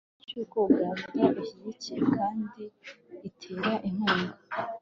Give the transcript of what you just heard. ikibazo cy'uko uganda ishyigikiye kandi itera inkunga